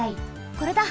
これだ！